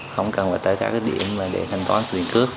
không cần phải tới các cái điểm để thanh toán truyền cước